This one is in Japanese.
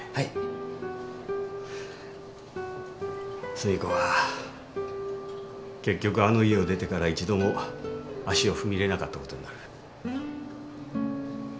寿美子は結局あの家を出てから一度も足を踏み入れなかったことになる。